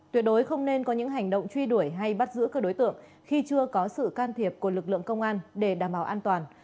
tuyệt đối không nên có những hành động truy đuổi hay bắt giữ các đối tượng khi chưa có sự can thiệp của lực lượng công an để đảm bảo an toàn